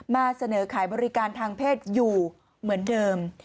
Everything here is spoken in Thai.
มาเสนอขายบริการทางเพศอยู่เหมือนเดิม